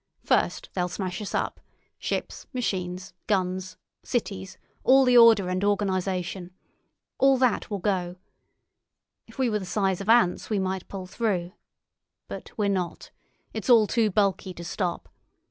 First, they'll smash us up—ships, machines, guns, cities, all the order and organisation. All that will go. If we were the size of ants we might pull through. But we're not. It's all too bulky to stop.